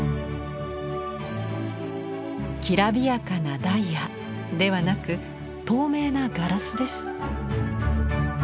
きらびやかなダイヤではなく透明なガラスです。